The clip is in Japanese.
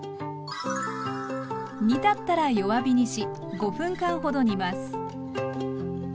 煮立ったら弱火にし５分間ほど煮ます。